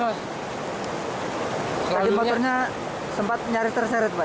tadi motornya sempat nyaris terseret pak